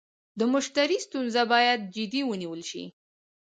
د مشتري ستونزه باید جدي ونیول شي.